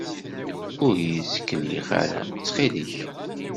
Ur iyi-ttkellix ara, ttxil-k.